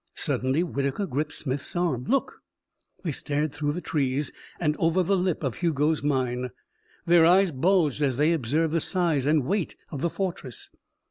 Suddenly Whitaker gripped Smith's arm. "Look!" They stared through the trees and over the lip of Hugo's mine. Their eyes bulged as they observed the size and weight of the fortress.